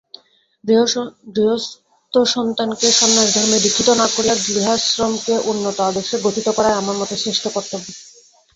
গৃহস্থসন্তানকে সন্ন্যাসধর্মে দীক্ষিত না করিয়া গৃহাশ্রমকে উন্নত আদর্শে গঠিত করাই আমার মতে শ্রেষ্ঠ কর্তব্য।